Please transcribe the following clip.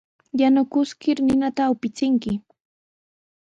Yanukiskir ninata upichinki.